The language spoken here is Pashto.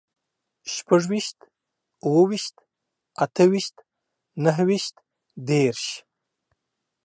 شپږويشت، اووه ويشت، اته ويشت، نهه ويشت، دېرش